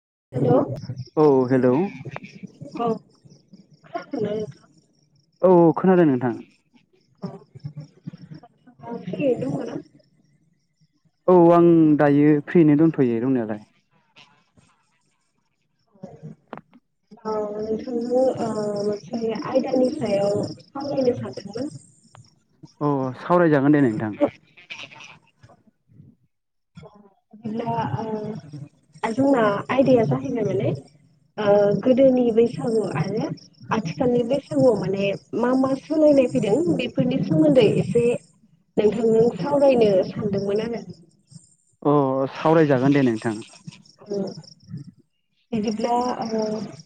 Hello औ। खोनादों ना नोंथां? औ औ खोनादों नोंथां। औ फ्रियैनो दङ'ना? औ आं दायो फ्रियैनो दोनथ'यो दंनायालाय। औ। औ नोंथांनो ओ मोनसे आयदानि सायाव सावरायनो सानदोंमोन। अ सावरायजागोन दे नोंथां। बिदिब्ला ओ जोंना आयदाया जाहैबाय माने ओ गोदोनि बैसागु आरो आथिखालनि बैसागु गुयाव माने मा मा सोलायनाय फैदों बेफोरनि सोमोनदै एसे नोंथांजों सावरायनो सानदोंमोन आरो अ सावरायजागोन दे नोंथां। ओम बिदिब्ला ओ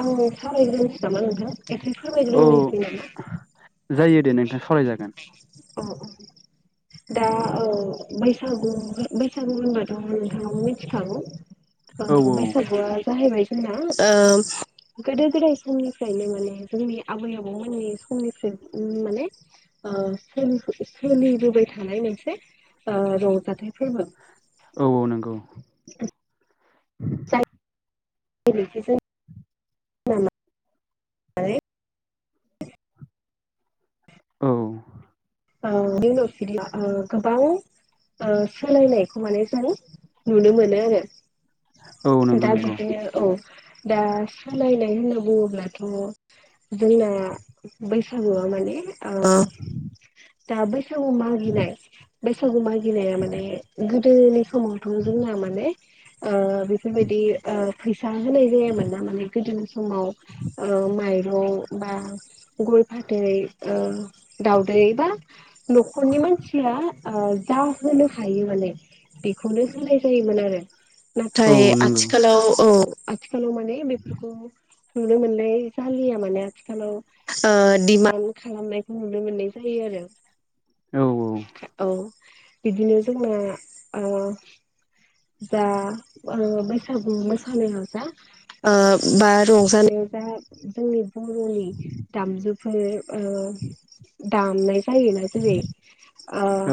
आंनो सावरायग्रोनसै नामा नोंथां। ए्से औ फोरमायग्रोनोसै नामा? जायो दे नोंथाङा सावरायजागोन। अ अ। दा औ बैसागु बैसागु होनबाथ' नोंथाङा मिथिखागौ औ ओ बैसागुया जाहैबाय ओ गोदो गोदाय समनिफ्रायनो माने जोंनि आबै आबौ मोननि समनिफ्राय ओ माने सोलि सोलिबोबाय थानाय थानाय मोनसे ओ रंजाथाइ फोरबो औ औ नंगौ। आ [unintelligible] [unintelligible] औ नो ओ गोबां सोलायनायखौ माने जोंङ नुनो मोनो आरो औ नंगौ दा नंगौ बिदिनो औ। दा सोलायनाय होनना बुङोब्लाथ' जोंना बैसागुआव माने दा बैसागु मागिनाय बैसागु मागिनाया माने गोदोनि समावथ' जोंना माने बेफोरबायदि फैसा होनाय जायामोन ना माने गोदोनि समाव माइ मर बा गय फाथै दावदै न'खरनि मानसिया जाहोनो हायो माने बेखौनो होनाय जायोमोन आरो औ नाथाय नंगौ आथिखालाव औ स' मानि बेफोरखौ नुनो मोननाय जालिया माने आथिखालाव दिडिमान्ड खालामनायखौ नुनो मोननाय जायो आरो औ औ। बिदिनो जोंना जा बैसागु मोसानाययाव जा। ओ बा रंजानायाव जा जोंनि बर'नि दामजुफोर दामनाय जायोना जेरै औ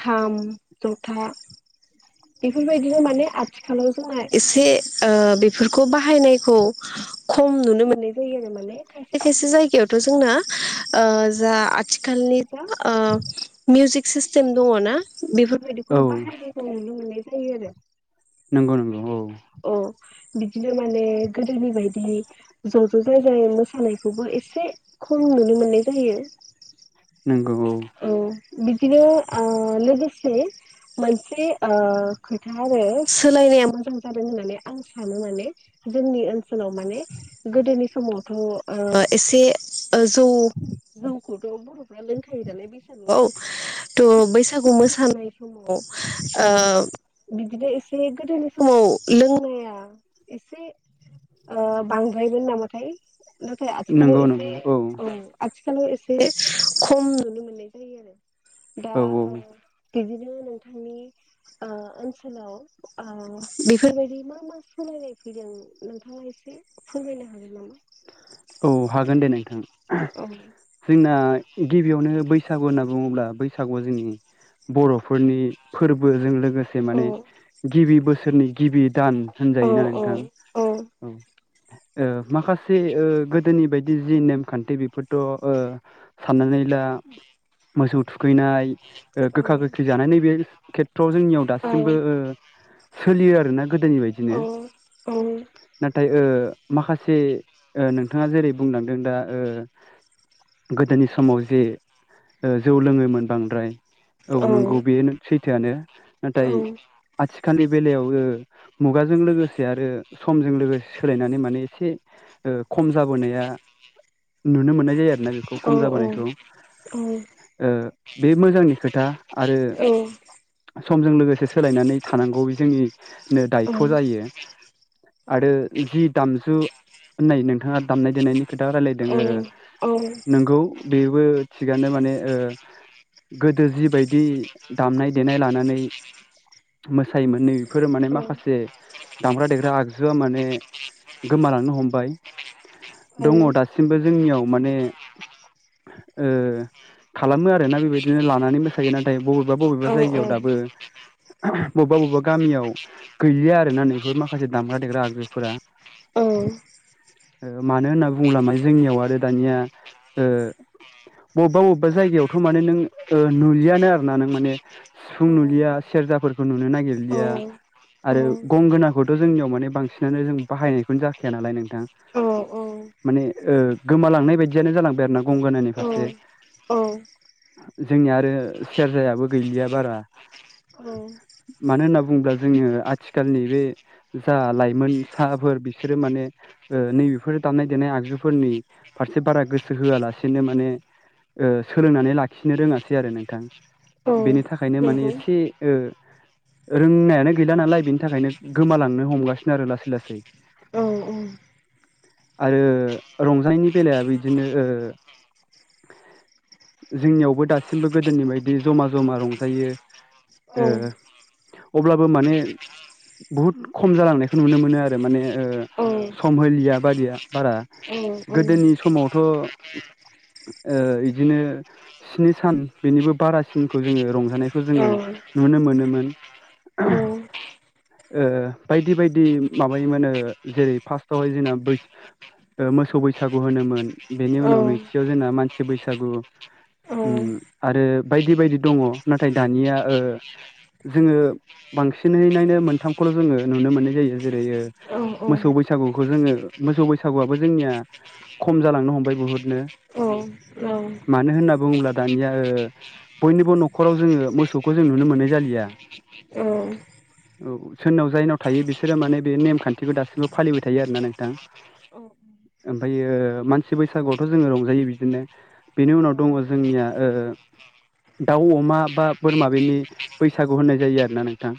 खाम, था बेफोरबायदिनो माने आथिखालाव जोंना एसे बेफोरखौ बाहायनायखौ खम नुनो मोननाय जायो आरो माने खायसे खायसे जायगायावथ' जोंना जा आथिखालनि दा मिउजिक सिस्टेम दङ ना बेफोरबायदिखौ औ बाहायनायखौ नुनो मोननाय जायो आरो नंगौ नंगौ औ। बिदिनो माने गोदोनि बदि ज' ज' जाय जाय मोसानायखौबो एसे खम नुनो मोननाय जायो। नंगौ औ। बिदिनो लोगोसे मोनसे खोथा आरो सोलायनाया मोजां जादों होननानै आं सानो माने। जोंनि ओ ाव माने गोदोनि समावथ' एसे जौ जौखौथ' बर'फ्रा लोंखायो नालाय बैसागुआव थ' बैसागु मोसानाय समाव बिदिनो एसे गोदोनि समाव लोंनाया एसे। बांद्रायमोन नामाथाय? नाथाय आथिखालाव नंगौ एसे नंगौ औ आथिखालाव एसे खम नुनो मोननाय जायो आरो। दा औ औ बिदिनो नोंथांनि। ओनसोलाव बेफोरबायदि मा मा सोलायनाय फैदों नोंथाङा एसे। एसे फोरमायनो हागोन नामा? औ हागोन दे नोंथां। नामा? जोंना गिबियावनो बैसागु होनना बुङोब्ला बैसागुआ जोंनि बर'फोरनि फोरबोजों लोगोसे औ माने गिबि बोसोरनि गिबि। दान औ होनजायोना औ नोंथां औ माखासे। गोदोनि बायदि जि नेमखान्थि बेफोरथ' साननानै ला मोसौ थुखैनाय गोखा गोखै जानाय नै बेे खेथ्रआव जोंनियाव दासिमबो सोलियो आरोना। गोदोनि बायदिनो नाथाय माखासे नों नोंथाङा जेरै बुंलांदों दा। गोदोनि समाव जे जौ लोङोमोन बांद्राय। औ नंगौ बे सैथोआनो नाथाय आथिखाल आथिखालनि बेलायाव मुगाजों लोगोसे आरो समजों लोगोसे सोलायनानै माने एसे खम जाबोनाया नुनो मोननाय जायो आरो। बे खम औ जाबोनायखौ बे मोजांनि खोथ औ। समजों लोगोसे सोलायनानै थानांगौ बे जोंनि। दायथ' जायो आरो जि दामजु नै नों नोंथाङा दामनाय देनायनि खोथा रायलायदों नंगौ बेबो थिगानो माने गोदो जिबायदि दामनाय देनाय लानानै। मोसायोमोन नै बेफोर माने माखासे दामग्रा देग्रा आगजुआ माने गोमालांनो हमबाय। दङ दासिमबो जोंनियाव माने खालामो आरोना बेबायदिनो लानानै मोसायो नाथाय बबेबा बबेबा जायगायाव औ दाबो। बबेबा बबेबा गामियाव गैलिया आरोना नैफोर माखासे दामग्रा देग्रा आगजुफोरा। औ। मानो होनना बुङोबला म जोंनियाव आरो दानिया। बबेबा बबेबा जायगायावथ' माने नों नुुलियानो आरोोना नों माने औ सिफुं नुलिया सेर बुरजाफोरखौ नुनो औ नागिरलिया। आरो गंगोनाखौथ' जोंनियाव माने बांसिनानो जों बाहायनायखौनो जाखाया नालाय नोंथां। औ औ माने गोमालांनाय बायदियानो जालांबाय आरोोना गंगोनानि फारसे औ जोंनिया आरो सेरजायाबो गैलिया बारा औ मानो होनना बुङोब्ला जोङो आथिखालनि बे जा लाइमोन साफोर बिसोरो माने ओ नैबेफोर दामनाय देनाय आगजुफोरनि फारसे बारा गोसो होआलासेनो माने ओ सोलोंनानै लाखिनो रोङासै आरो नोंथां औ बेनि थाखायनो माने नंगौ एसे ओ रोंनायानो गैला नालाय बेनि थाखायनो गोमालांनो हमगासिनो आरो लासै लासै। औ औ आरो रंजानायनि बेलायो बिदिनो ओ जोंनियावबो दासिमबो गोदोनि बायदि जमा जमा रंजायो। औ ओ अब्लाबो माने बहुद खम जालांनायखौ नुनो मोनो आरो माने ओ सम होलिया बायिया बारा गोदोनि समावथ' बिदिनो स्नि सान बेनिबो बारासिनखौ जोङो रंजानायखौ जोङो नुनो मोनोमोन। ओ बायदि बायदि माबायोमोनो जेरै फार्स्टआवहाय जोंना बैस मोसौ बैसागु होनोमोन बेनि उनाव नैथियाव जोंना मानसि बैसागु आरो बायदि बायदि दङ नाथाय दानिया ओ जोङो बांसिनैनायनो मोनथामखौल' जोङो नुनो मोननाय जायो जेरै ओ मोसौ बैसो बसागुखौ जोङो मोसौ बैसागुआबो जोंनिया खम जालांनो हमबाय बुहुदनो। औ मानो होनना बुङोब्ला दानिया ओ बयनिबो न'खराव जोङो मोसौखौ जों नुनो मोननाय जालिया। अ औ सोरनाव जायनाव थायो बिसोरो माने बे नेमखान्थिखौ दासिमबो फालिबाय थायो आरोोना नोंथां। [inaudible] ओमफ्रायो मानसि बैसागुआवथ' जोङो रंजायो बिदिनो बेनि उनाव दङ जोंनिया ओ दाउ अमा बा बोरमा बेनि बैसागु होननाय जायो आरो ना नोंथां।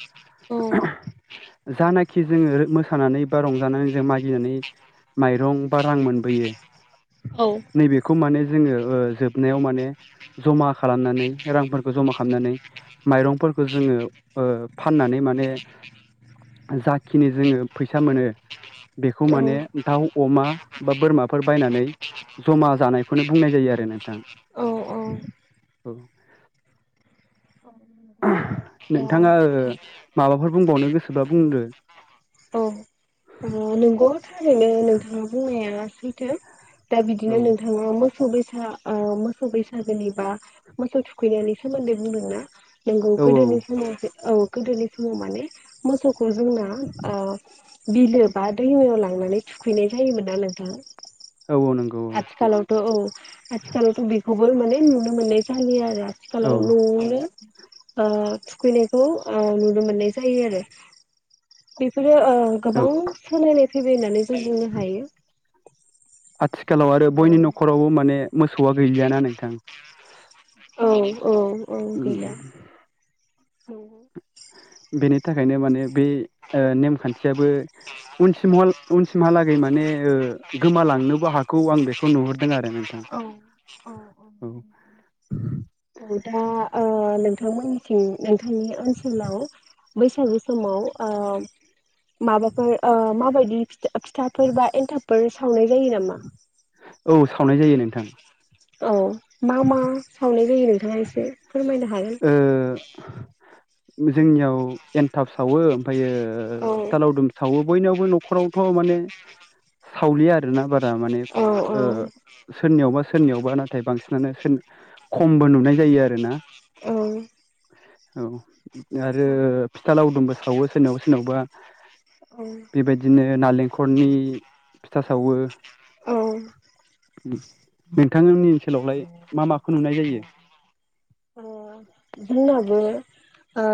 जानाखि जोङो मोसानानै बा रंजानानै जों मागिनानै माइरं बा रां मोनबोयो। औ खौ माने जोङो ओ जोबनायाव माने जमा खालामनानै रांफोरखौ जमा खालामनानै माइरंफोरखौ जोङो ओ फाननानै माने जाखिनि जोङो फैसा मोनो। बेखौ माने दाउ अमा बा बोरमाफोर बायनानै जमा जानायखौनो बुंनाय जायो। नोंथां औ औ नोंथाङा माबाफोर बुंबावनो गोसोबा बुंदो। औ नंगौआ थारैनो नोंथाङा बुंनाया सैथो। दा औ बिदिनो नोंथाङा मोसौ बैसा ओ मोसौ बैसा जेनेबा मोसौ थुखैनायनि सोमोन्दै बुंदों ना नोंगौ औ गोदोनि समावसो औ गोदोनि समाव माने मोसौखौ जोंना ओ बिलो बा दैमायाव लांनानै थुखैनाय जायोमोन ना नोंथां। औ औ नंगौ औ आथिखालावथ' औ आथिखालथ' बिदि खौबो मोने नुनो मोननाय जायो आरो आथिखालाव औ नुनो मोनो ओ थुखैनायखौ नुनो मोननाय जायो आरो। बेफोरो ओ गोबां औ सोलायनाय फैबाय होननानै जों बुंनो हायो। आथिखालाव आरो औ बयनि न'खरावबो माने मोसौआ गैलियाना नोंथां। औ औ औ उम गैला औ बेनि थाखायनो माने बे ओ नेमखान्थियाबो उनसिमहालागै माने ओ गोमालांनोबो हाखौ आं बेखौ नुहुरदों। आरो नोंथां औ औ औ औ दा नोंथाङा ओ नोंथांमोननिथिं नोंथांनि ओनसोलाव बैसागु समाव ओ माबाफोर माबायदि फिथाफोर बा एन्थाबफोर सावनाय जायो नामा? औ सावनाय जायो नोंथां। औ मा मा सावनाय जायो नोंथाङा एसे फोरमायनो हागोन। ओ जोंनियाव एन्थाब सावो ओमफ्रायो औ फिथा लावदुम सावो। बयनावबो न'खरावथ' माने सावलिया आरोना बारा दा माने औ सोरनियावबा सोरनियावबा नाथाय बांसिनानो सोर खमबो नुनाय जायो आरो ना। औ औ आरो औ फिथा लावदुमबो सावो सोरनावबा सोरनावबा बेबायदिनो नालेंखलनि फिथा सावो। औ नोंथांनि ओनसोलावलाय मा माखौ नुनाय जायो? अ जोंनावबो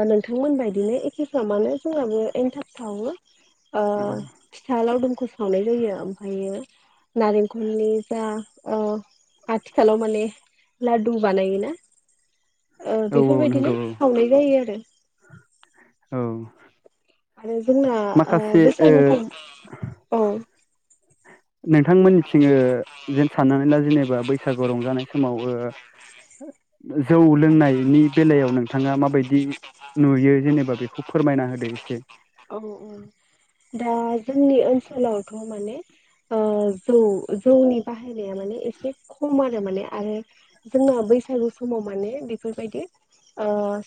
नोंथांमोनबायदिनो एखेफ्रा मानो जोंहाबो एनथाब सावो। औ फिथा लावदुमखौ सावनाय जायो। ओमफ्रायो नारेंखलनि जा अ आथिखालाव माने लाडु बानायोना। औ बेफोरबायदिनो सावनाय जायो आरो। औ आरो जोंना माखासे ओ बैसागुखौ औ नोंथांमोननिथिङो जेन साननानै ला जेनेबा बैसागु रंजानाय समाव औ जौ लोंनायनि बेलायाव नोंथाङा माबायदि नुयो जेनेबा बेखौ फोरमायना होदो एसे। औ औ दा जोंनि ओनसोलावथ' माने जौ जौनि बाहेरा माने एसे खम आरो माने आरो जों बैसागु समाव माने बेफोरबायदि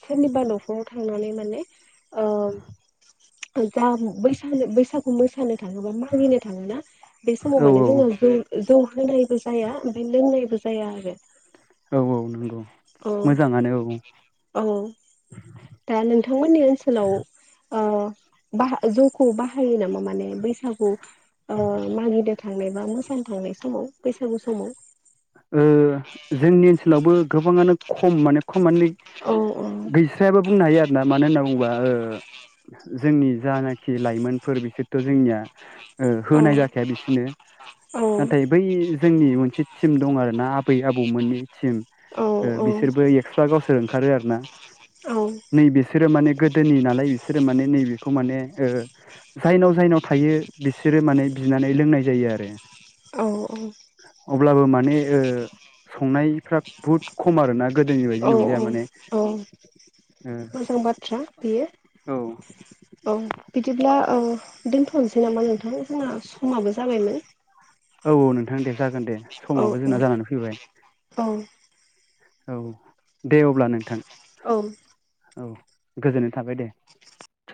सोरनिबा न'खराव थांनानै माने [unintelligible] जा बैसागो बैसागु मोसानो थाङो बा मागिनो थाङोना बे समाव औ माने जोङो जौ ओ जौ होनायबो जाया ओमफ्राय लोंनायबो जाया आरो। औ नंगौ औ मोजाङानो औ औ दा नोंथांमोननि ओनसोलाव ओ बाहा जौखौ बाहायो नामा माने बैसागु ओ मागिनो थांनाय बा मोसानो थांनाय समाव? बैसागु समाव ओ जोंनि ओनसोलावबो गोबाङानो खम माने खम मानि औ गैस्रायाबो बुंनो हायो आरोना मानो होनना बुङोबा ओ जोंनि जानाखि लाइमोनफोर बिसोरथ' जोंनिया ओ औ होनाय जाखाया बिसोरनो औ नाथाय बै जोंनि मोनसे टिम दं आरो ना आबै आबौमोननि टिम औ ओ बिसोरबो एक्सट्रा गावसोर ओंखारो आरोना। औ नै बिसोरो माने गोदोनि नालाय बिसोर माने नैबेखौ माने ओ जायनाव जायनाव थायो बिसोरो माने बिनानै लोंनाय जायो आरो। आरो। औ औ अब्लाबो माने संनायफ्रा बुहुद खम आरोना। गोदोनि बायदि औ नंलिया औ माने औ मोजां बाथ्रा बेयो। ओ औ बिदिब्ला ओ दोनथ'नोसै नामा नोंथां? जोंना समाबो जाबायमोन। औ औ नोंथां दे जागोन दे औ समाबो जोंना जानानै फैबाय। औ औ दे अब्ला नोंथां। औ औ गोजोननाय थाबाय दे।